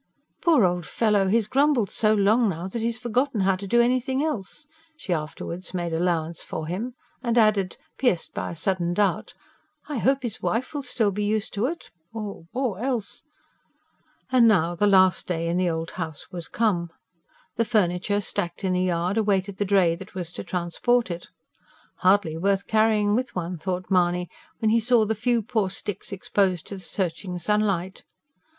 "Poor old fellow, he's grumbled so long now, that he's forgotten how to do anything else," she afterwards made allowance for him. And added, pierced by a sudden doubt: "I hope his wife will still be used to it, or ... or else ..." And now the last day in the old house was come. The furniture, stacked in the yard, awaited the dray that was to transport it. Hardly worth carrying with one, thought Mahony, when he saw the few poor sticks exposed to the searching sunlight.